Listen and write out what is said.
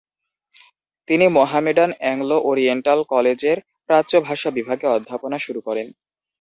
তিনি Mohammedan Anglo Oriental কলেজের প্রাচ্য ভাষা বিভাগে অধ্যাপনা শুরু করেন।